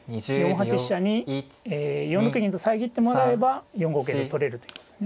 ４八飛車に４六銀と遮ってもらえば４五桂と取れると。